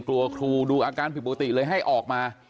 กลัวครูดูอาการผิดปกติเลยให้ออกมา